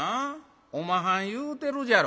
おまはん言うてるじゃろ。